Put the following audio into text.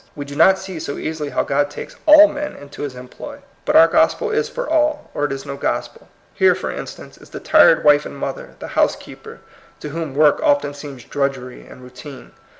We do not see so easily how God takes all men into his em* ploy." But our gospel is for all, or it is no gospel. Here, for instance, is the tired wife and mother, the housekeeper, to whom work often seems drudgery and routine.